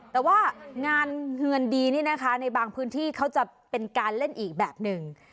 แต่ว่างานเฮือนดีนี่นะคะในบางพื้นที่เขาจะเป็นการเล่นอีกแบบหนึ่ง